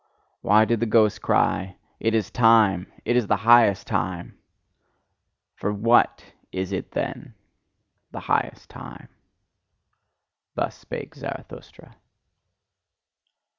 "Why did the ghost cry: 'It is time! It is the highest time!' For what is it then the highest time?" Thus spake Zarathustra.